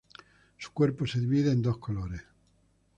Su cuerpo se divide en dos colores.